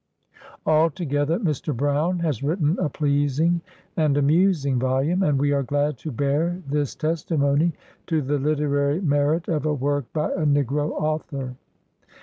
Altogether, Mr. Brown has written a pleasing and 84 BIOGRAPHY OF amusing volume, and we are glad to bear this testimony to the literary merit of a work by a negro author."